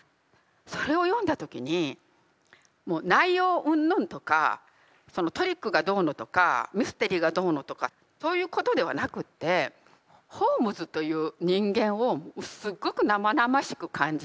それを読んだ時にもう内容うんぬんとかそのトリックがどうのとかミステリーがどうのとかそういうことではなくってホームズという人間をすっごく生々しく感じて。